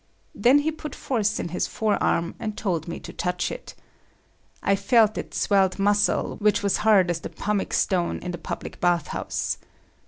Then he put force in his forearm, and told me to touch it. I felt its swelled muscle which was hard as the pumic stone in the public bathhouse.